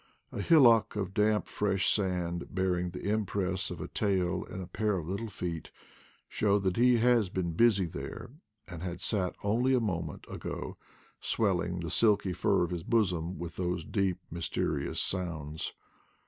A hillock of damp, fresh sand, bearing the impress of a tail and a pair of little feet, show that he has been busy there, and had sat only a moment ago swelling the silky fur of his bosom with those deep, mysterious sounds.